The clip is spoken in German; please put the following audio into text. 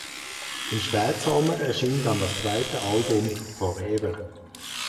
Im Spätsommer erschien dann das zweite Album "For Ever".